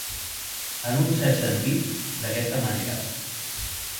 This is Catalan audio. En un cert sentit, d'aquesta manera.